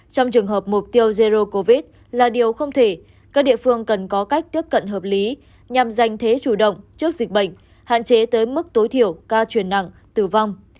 trong trường hợp mục tiêu erdo covid là điều không thể các địa phương cần có cách tiếp cận hợp lý nhằm giành thế chủ động trước dịch bệnh hạn chế tới mức tối thiểu ca truyền nặng tử vong